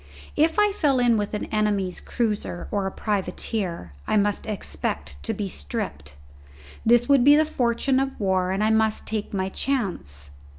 If I fell in with an enemy's cruiser or a privateer I must expect to be stripped. This would be the fortune of war, and I must take my chance.